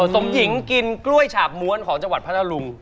สมหญิงกินกล้วยฉาบม้วนของจังหวัดพัทธรุง